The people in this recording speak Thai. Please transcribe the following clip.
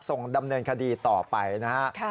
ส่งดำเนินคดีต่อไปนะฮะ